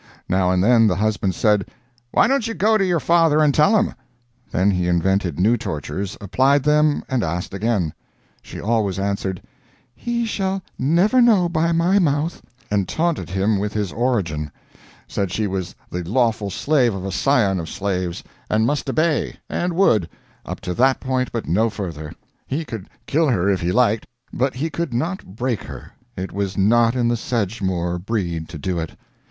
Now and then the husband said, "Why don't you go to your father and tell him?" Then he invented new tortures, applied them, and asked again. She always answered, "He shall never know by my mouth," and taunted him with his origin; said she was the lawful slave of a scion of slaves, and must obey, and would up to that point, but no further; he could kill her if he liked, but he could not break her; it was not in the Sedgemoor breed to do it.